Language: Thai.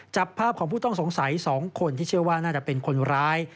จับภาพของผู้ต้องสงสัย๒คนที่เชื่อว่าน่าจะเป็นคนร้าย